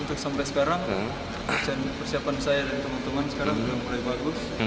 untuk sampai sekarang persiapan saya dan teman teman sekarang sudah mulai bagus